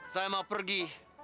saya mau pergi